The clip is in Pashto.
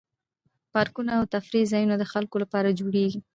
پارکونه او تفریح ځایونه د خلکو لپاره جوړیږي.